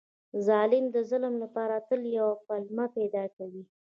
ظالم د ظلم لپاره تل یوه پلمه پیدا کوي.